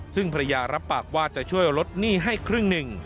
ซึ่งภรรยารับปากว่าจะช่วยลดหนี้ให้ครึ่งหนึ่ง